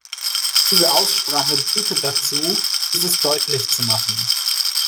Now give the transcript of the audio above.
Diese Aussprache diente dazu, dieses deutlich zu machen.